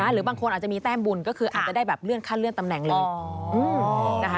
หรือบางคนอาจจะมีแต้มบุญก็คืออาจจะได้แบบเลื่อนขั้นเลื่อนตำแหน่งเลย